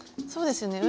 そうですね